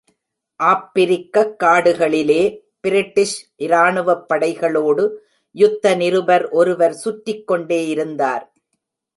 ஆப்பிரிக்கக் காடுகளிலே, பிரிட்டிஷ் இராணுவப் படைகளோடு யுத்த நிருபர் ஒருவர் சுற்றிக் கொண்டே இருந்தார்.